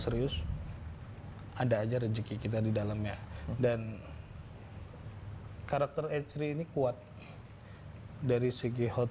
serius ada aja rezeki kita di dalamnya dan karakter esri ini kuat dari segi hot